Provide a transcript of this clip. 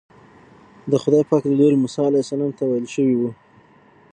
د خدای پاک له لوري موسی علیه السلام ته ویل شوي وو.